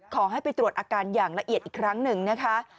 ขอให้ไปตรวจอาการอย่างละเอียดอีกครั้งหนึ่งนะคะ